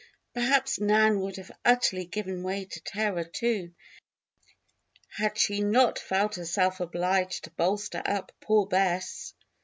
Perhaps Nan would have utterly given way to terror, too, had she not felt herself obliged to bolster up poor Bess.